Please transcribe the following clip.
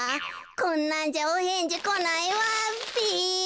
こんなんじゃおへんじこないわべだ。